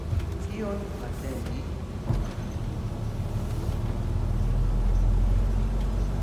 Kion atendi?